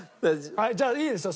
じゃあいいですよ。